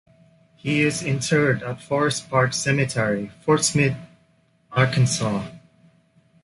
He is interred at Forest Park Cemetery, Fort Smith, Arkansas.